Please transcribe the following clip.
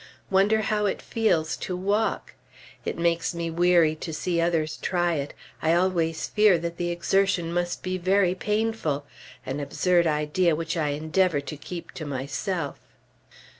Wonder how it feels to walk? It makes me weary to see others try it; I always fear that the exertion must be very painful an absurd idea which I endeavor to keep to myself....